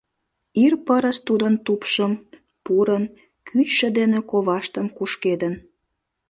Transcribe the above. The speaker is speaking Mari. Ир пырыс тудын тупшым пурын, кӱчшӧ дене коваштым кушкедын.